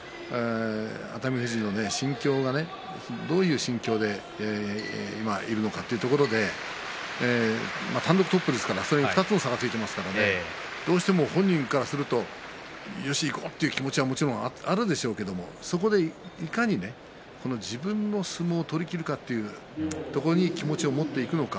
熱海富士の心境がどういう心境で今いるのかというところで単独トップですから２つの差がついていますから本人からすると、よしいこうという気持ちはもちろんあるでしょうけれどそこで、いかに自分の相撲を取りきるかというところに気持ちを持っていくのか。